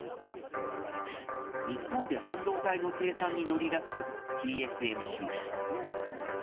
日本で半導体の生産に乗り出すＴＳＭＣ。